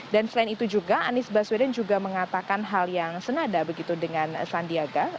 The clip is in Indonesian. dan selain itu juga anies baswedin juga mengatakan hal yang senada begitu dengan sandiaga